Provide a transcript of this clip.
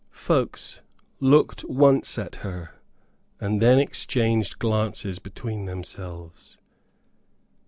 Folks looked once at her, and then exchanged glances between themselves.